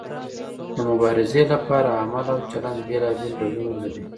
د مبارزې لپاره عمل او چلند بیلابیل ډولونه لري.